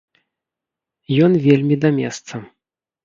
Ён вельмі да месца!